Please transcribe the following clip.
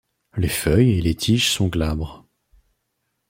Les feuilles et les tiges sont glabres.